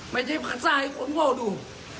ไม่ใช่สร้างให้คนโล่ดู